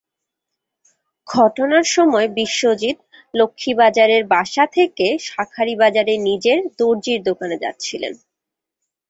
ঘটনার সময় বিশ্বজিত্ লক্ষ্মীবাজারের বাসা থেকে শাঁখারীবাজারে নিজের দরজির দোকানে যাচ্ছিলেন।